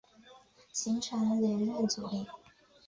形成连任阻力。